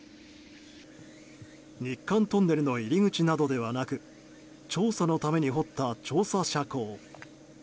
日韓トンネルの入り口などではなく調査のために掘った調査斜坑。